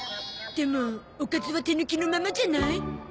でもおかずは手抜きのままじゃない？